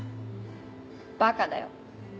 バカだよ。